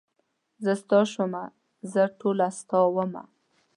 زه ستا شومه زه ټوله ستا ومه.